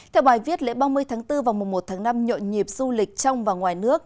theo bài viết lễ ba mươi tháng bốn vào mùa một tháng năm nhộn nhịp du lịch trong và ngoài nước